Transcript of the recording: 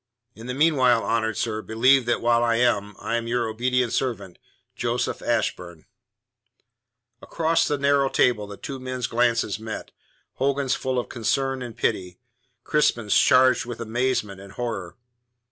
In the meanwhile, honoured sir, believe that while I am, I am your obedient servant, JOSEPH ASHBURN Across the narrow table the two men's glances met Hogan's full of concern and pity, Crispin's charged with amazement and horror.